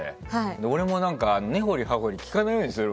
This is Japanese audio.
俺も根掘り葉掘り聞かないようにするわ。